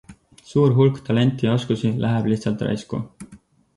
Suur hulk talenti ja oskusi läheb lihtsalt raisku.